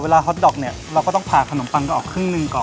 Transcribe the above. ฮอตดอกเนี่ยเราก็ต้องผ่าขนมปังกันออกครึ่งหนึ่งก่อน